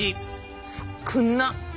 少なっ。